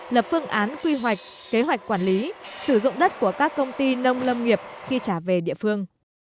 lập phương án quy hoạch kế hoạch quản lý sử dụng đất của các công ty nông lâm nghiệp khi trả về địa phương